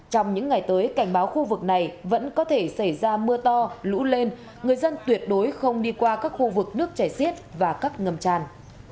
trong những ngày tới cảnh báo khu vực này vẫn có thể xảy ra mưa to lũ lên người dân tuyệt đối không đi qua các khu vực nước chảy xiết và các ngầm tràn